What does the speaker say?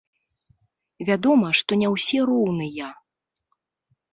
Вядома, што не ўсе роўныя.